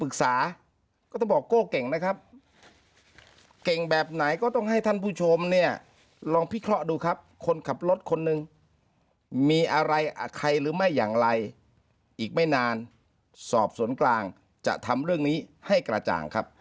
ขอให้ท่านผู้ชมเนี่ยลองพิเคราะห์ดูครับคนขับรถคนนึงมีอะไรใครหรือไม่อย่างไรอีกไม่นานสอบสนกลางจะทำเรื่องนี้ให้กระจ่างครับ